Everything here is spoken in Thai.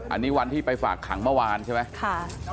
อันนี้วันที่ไปฝากขังเมื่อวานใช่ไหม